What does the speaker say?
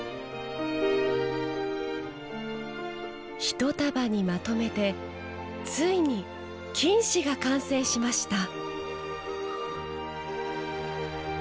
一束にまとめてついに金糸が完成しました。